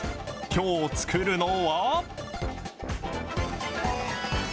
きょう作るのは。